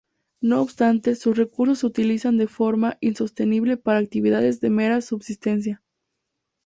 No obstante, sus recursos se utilizan de forma insostenible para actividades de mera subsistencia.